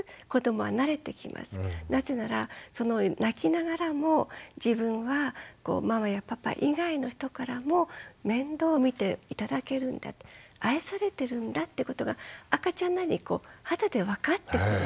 なぜならその泣きながらも自分はママやパパ以外の人からも面倒を見て頂けるんだって愛されてるんだってことが赤ちゃんなりに肌で分かってくる。